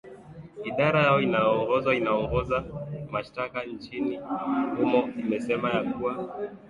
idara yao inayoongozwa inaongoza mashtaka nchini humo imesema ya kuwa